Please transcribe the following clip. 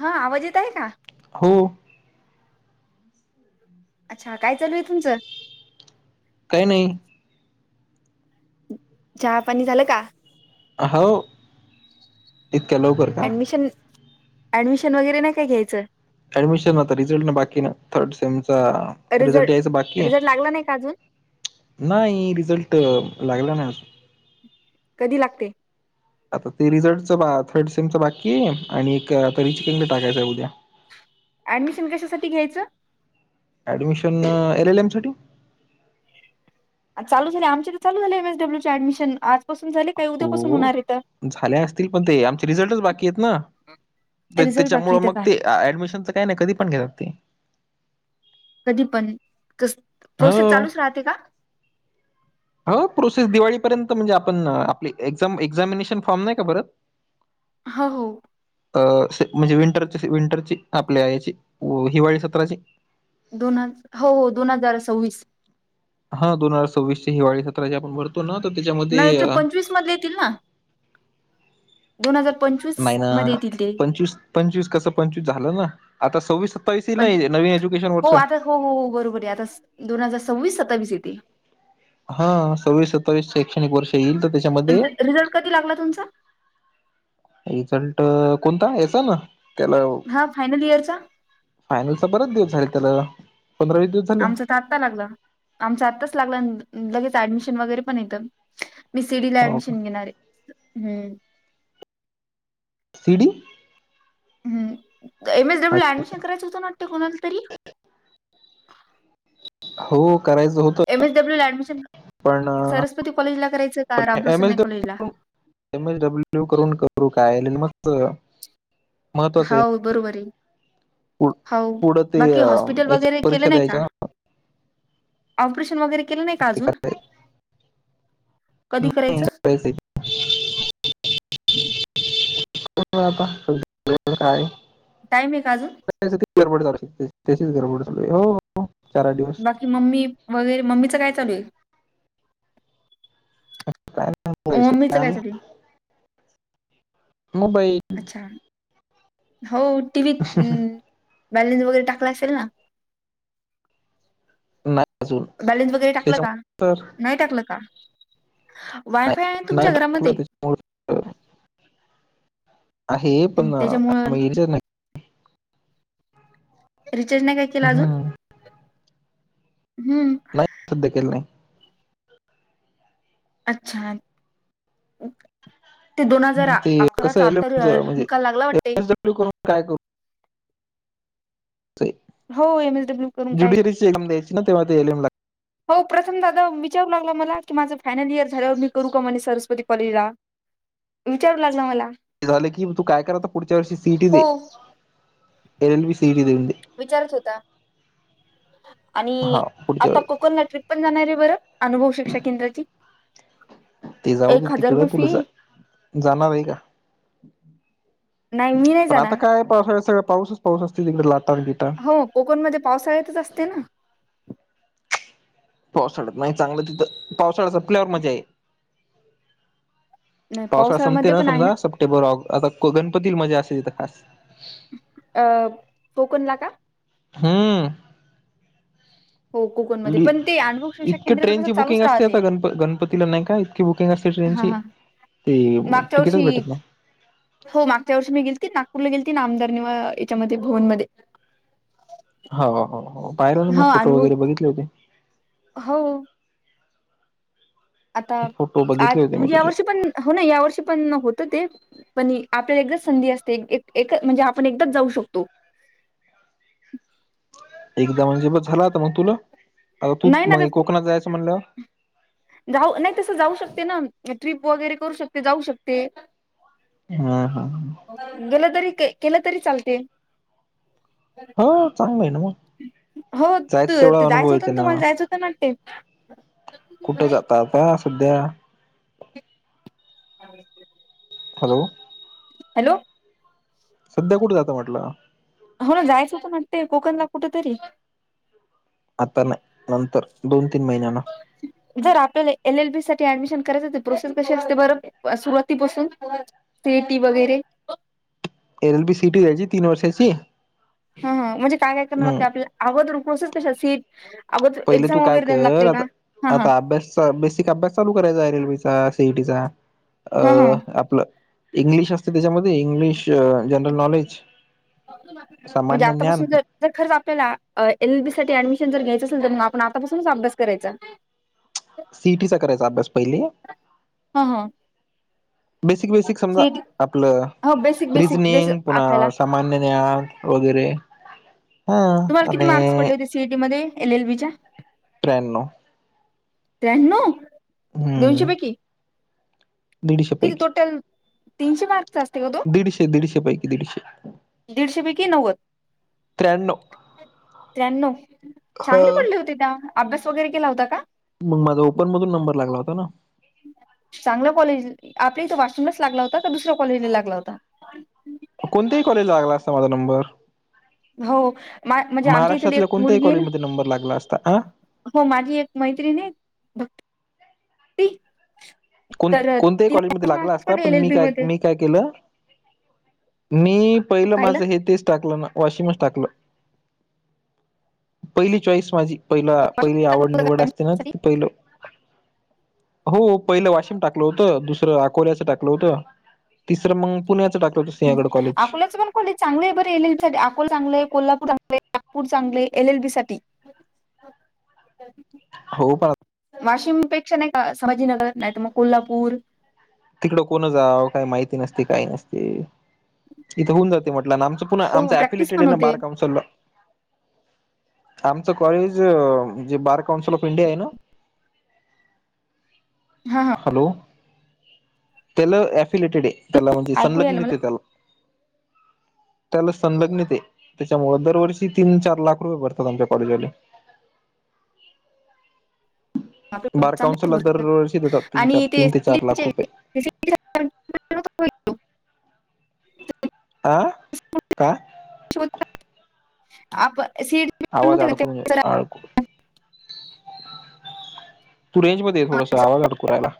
हा आवाज येत आहे का? हो. अच्छा, काय चालू आहे तुमच? काही नाही. चहा पाणी झालं का? ह व, इतक्या लवकर का? ऍडमिशन ऍडमिशन वगैरे नाही काय घ्यायंच? ऍडमिशन आता रिझल्ट ना बाकी ना थर्ड सेमचा रिझल्ट यायचं बाकी रिझल्ट लागला नाही का अजून? आहे [inaudible] नाही रिझल्ट लागला नाही अजून. कधी लागते? आता ते रिझल्टच थर्ड सेमच बाकी आहे आणि एक तर रिचिकंग टाकायचंय उद्या. ऍडमिशन कशासाठी घ्यायचं? ऍडमिशन एल एल एम साठी. चालू झाले आमचे तर चालू झाले एम एस डब्ल्यू चे ऍडमिशन आज. हो झाले असतील पण ते आमचे रिझल्टच बाकी आहेत ना. रिझल्ट त्याचा बाकी मुळे तर मग काय ते ऍडमिशन च काय नाही कधी पण घेतात ते. कधी पण, स प्रोसेस हो चालूच राहते का? हो प्रोसेस दिवाळीपर्यंत म्हणजे आपण आपले एक्झाम, एक्झामिनेशन फॉर्म नाही का भरत? ह, हो. अ म्हणजे विंटरची, विंटरची आपल्या याची हिवाळी सत्राची. दोन ह हो हो दोन हजार सव्वीस. हा दोन हजार सव्वीस ची हिवाळी सत्रा जे आपण भरतो ना तर नाही त्याच्यामध्ये [unintelligible] मधले येतील ना. दोन हजार पंचवीस मध्ये येतील ते. पंचवीस कसं पंचवीस झालं ना, आता सव्वीस, सत्तावीस येईल पण ना नवीन एज्यकेशन हो वर्ष. आता हो हो हो बरोबर आहे आता दोन हजार सव्वीस, सत्तावीस येेतील. हा सव्वीस, सत्तावीस शैक्षणिक वर्ष येईल तर रिझ, त्याच्यामध्ये रिझल्ट कधी लागला तुमचा? रिझल्ट कोणता याचा ना त्याला [inaudible] हा फायनल इयरचा? फायनल चा बरच दिवस झाले त्याला पंधरा, वीस दिवस झाले. आमचा तर आत्ता लागला आमच आत्ताच लागला लगेच ऍडमिशन वगैरे पण येतात. मी सी डी ला हो का? ऍडमिशन घेणार आहे, हम्म. C D? हम्म, एम एस डब्ल्यू ला अच्छा, अच्छा. ऍडमिशन करायचं होत ना वाटते कोणाला तरी? हो करायचं हो एम एस डब्ल्यू ला ऍडमिशन सरस्वती कॉलेज ला करायचं पण का रामप्रसन कॉलेज ला? एम-एस एम एस डब्ल्यू करून, करू काय मग [unintelligible] हाव बरोबर आहे. पु हव पुढं ते बाकी हॉस्पिटल याच्या वगैरे केलं परीक्षा नाई का? द्यायच्या ऑपरेशन वगैरे केलं नई का ते अजून, करायचं कधी करायचं. [inaudible] [inaudible] टाईमे का अजून, [unintelligible] गरबड जराशी त्याचीच गरबड चालूये, हो हो चार आठ दिवस. बाकी मम्मी वगरे मम्मीचं काय चालूय, काय नाय पैसे मम्मीचं काय नाई. चालू आहे? मुंबई अच्छा. हो टी वी त अ बॅलन्स वगैरे टाकला असेल ना. नाही अजून बॅलेन्स वगैरे टाकलं का? त्याच्यामुळे तर नाई टाकलं का? वायफाय आहे तुमच्या घरामध्ये? हो आहे पण त्याच्यामुळं युजच नाई रिचार्ज नाई काय केला अजून हम्म. हम्म, सीद्ध केलं ना. अच्छा, ते दोन हजार हम्म, ते कसं अकराचा एल आता एम ल म्हणजे निकाल लागला वाटते. एम एस करून काय करु हो एम. एस. डब्ल्यू. करून काय? ज्युडिशरीची एक्झाम द्यायची ना तेव्हा ते एल एम हो प्रथम दादा विचारू लागला मला की माझं फायनल इयर झाल्यावर मी करू का म्हणे सरस्वती कॉलेजला. विचारू लागला मला. झालं की तू काय कर आता पुढच्या वर्षी सी. E T. दे हो L. L. B. C. E. T. देऊन दे. विचारत होता आणि हा पुढच्या आता क- वेळी पुन्हा ट्रीप पण जाणारे बरं अनुभव शिक्षा केंद्राची. ते जाऊ दे एक हजार तिकड रुपये तुला जा फी जाणारे का. नाही मी नाही पण जाणार आता कायय पावसाळ्या सगळं पाऊसच पाऊस असते तिकडे लाता अन बिता. हो कोकणमध्ये पावसाळ्यातच असते न. पावसाळ्यात नाई चांगलं तिथं पावसाळा संपल्यावर मज्याये. नाही पावसाळा संपते पावसाळ्यामध्ये ना पण आहे समजा सप्टेंबर ऑक् आता क गणपतील मजा असते तीथं खास. अ कोकणला का हम्म हो कोकणमध्ये -णी् पण ते अनुभव शिक्षा इतक केंद्राच कसं ट्रेनची चालूच बुकिंग असते राहते आता गणप गणपतीला नाई का -की बुकिंग असते हा ट्रेनची हा की मागच्या टीकीटच वर्षी भेटत नाई. हो मागच्या वर्षी मी गेलती नागपूरला गेलतील ना आमदार निवा याच्यामध्ये भुवनमध्ये हाव हाव हाव पायळेन म हा फोटो अनुभव वगैरे बघितले होते. हो आता फोटो बघितले आट होते मी म्हंजे तुझे यावर्षी पण हो ना या वर्षी पण होत ते. पणी आपल्याला एकदाच संधी असते एक एक म्हंजे आपण एकदाच जाऊ शकतो. एकदा म्हंजे म झाला आता म तुला आता तू नाही त ना म कोकणात जायचं म्हणल्याव जाऊ नाई तसं जाऊ शकते न ट्रिप वगैरे करू शकते जाऊ शकते. हा हा ह गेलं तरी के केलं तरी चालते. हा चांगलंय न म. हो त जायचं होतं ना तुम्हाला जायचं होतं न वाटते. कुठं जाता आता सध्या. अ हॅलो. हॅलो. सध्या कुठे जातं म्हटलं? हो ना जायचंत वाटते कोकणला कुठ तरी. आता नाही. नंतर दोन तीन महिन्यान. जर आपल्याला एल एल बी साठी ऍडमिशन करायच प्रोसेस कशी असते बर सुरुवातीपासून सियेटी वगैरे एल बी सिटी यायची तीन वर्षची हा म्हणजे काय काय करणा लागते आपल्या अगोदरून प्रोसेस कश सीट अगोद पहिले एक्झाम तू काय वगैरे देण कर लागते आता का हा हा. आता अभ्यासचा बेसिक अभ्यास चालू करायचा आहे रेल्वेचा सीईटीचा अ हा हा आपलं. इंग्लिश असते त्याच्यामध्ये इंग्लिश जनरल नॉलेज. म्हणजे सामान्य ज्ञान आतापासून ज जर खरंच आपल्या एल बी साठी ऍडमिशन जर घ्यायचं असेल तर मग आपण आतापासूनच अभ्यास करायचा. सिईटीचा करायचा अभ्यास पहिले. हा हा. बेसिक बेसिक समजा सीईटी आपल हो बेसिक बेसिक जस रिजनिंग आपल्याला पुन्हा मान्य न्या वगैरे हा तुम्हाला किती आणि मार्क्स पडले होते सीईटी मध्ये एल एल बी च्या त्र्यान्नो त्र्यान्नो दोनशे हम्म पैकी दीडशे किती पैकी टोटल तीनशे मार्क तिकडेच असती का तू दीडशे दीडशे पैकी दीडशे दिडशे पैकी नव्वद त्र्यान्नो त्र्यान्नैव चांगले पडले होते त्या अभ्यास वगैरे केला होता का. मग माझा ओपन मधून नंबर लागला होता ना चांगल्या कॉलेज आपल्या ईथे तर वाशिमलाच लागला होता तर दुसऱ्या कॉलेजला लागला होता कोणत्याही कॉलेजला लागला असता माझा नंबर हो म्हणजे आमच्या इथली एक महाराष्ट्रातल्या कोणत्याही मुलगी आहे ना कॉलेजमध्ये नंबर लागला असता अ हो माझी एक मैत्रीण ये भक्ती. कोण तर कोणत्याही कॉलेजमध्ये तिला लागला असता पण एल एल मी बी काय मध्ये मी. काय केल मी पहिल माझ कायला हे तेच टाकल ना. वॉशिमच टाकल पहिली चॉईस माझी. पहिला पहिली आवड निवड असते ना पहिल हो. पहिलं वाशिम टाकल होत दुसर अकोल्याच टाकल होत तिसर मग पुण्याच टाकल. सिंहागड कॉलेज. चांगल आहे बरे एल एलबी अकोल चांगल आहे कोल्हापूर चांगलये नागपूर चांगल ये एल एल बी साठी हो पा वाशिम पेक्षा नाही का संभाजीनगर नाही तर मग कोल्हापूर तिकड कोण जाव काही माहिती नसती काही नसती इथे होऊन जाते म्हटल ना आमच. पुन्हा आमचा प्रॅक्टिस अफिलेटेड आहे पण ना होते बार काउनसनला. आमच कॉलेज जे बार काउन्सलप ऑफ इंडिया ये ना. हा हा हॅलो त्येल एफिलेटेड ए. त्याला म्हणजे ऐकू संलग यायला मला नेते त्याला. त्याला संलग नेते त्याच्यामुळे दरवर्षी तीन चार लाख रुपये भर तुला आमच्या कॉलेज वाले. आपले लोक बार चांगलेच काउन्सला तर भरतात दरवर्षी देतात तीन चार आणि तीन ते चार लाख सीईटीचे रुपये. [unintelligible] आ का? आप सीड आवाज अडकू अडकू तू रेंजमध्ये ये थोडसा आवाज अडकु राहिला.